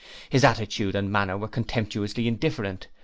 His attitude and manner were contemptuously indifferent.